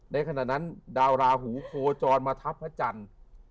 ในขณะนั้นดาวราหูโคจรมาทับพระจันทร์